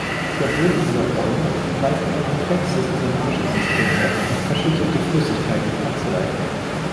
Der Boden dieser Räume weist ein komplexes Drainagesystem auf, um verschüttete Flüssigkeiten abzuleiten.